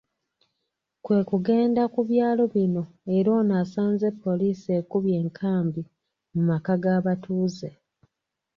Kwe kugenda ku byalo bino era eno asanze poliisi ekubye enkambi mu maka g'abatuuze